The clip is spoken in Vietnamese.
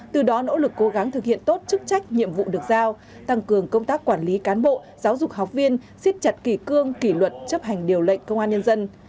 từ đó nỗ lực cố gắng thực hiện tốt chức trách nhiệm vụ được giao tăng cường công tác quản lý cán bộ giáo dục học viên xếp chặt kỷ cương kỷ luật chấp hành điều lệnh công an nhân dân